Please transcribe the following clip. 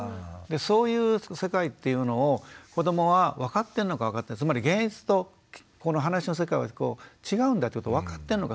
そういう世界っていうのを子どもは分かってんのか分かってないのかつまり現実とこの話の世界は違うんだっていうことを分かってるのか